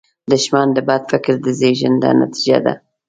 دښمن د بد فکر د زیږنده نتیجه ده